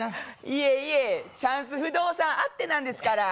いえいえ、チャンス不動産あってなんですから。